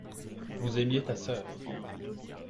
vous aimiez ta sœur.